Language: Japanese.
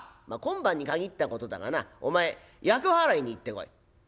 「まあ今晩に限ったことだがなお前厄払いに行ってこい」。